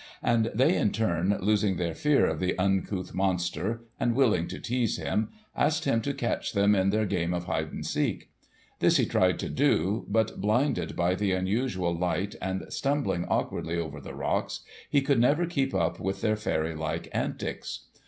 And they in turn, losing their fear of the uncouth monster, and willing to tease him, asked him to catch them in their game of hide and seek. This he tried to do; but blinded by the unusual light, and stumbling awkwardly over the rocks, he could never keep up with their fairy like antics.